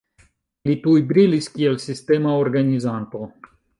Li tuj brilis kiel sistema organizanto.